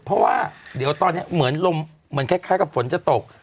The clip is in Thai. เพราะว่าเดี๋ยวตอนนี้เหมือนลมเหมือนคล้ายกับฝนจะตก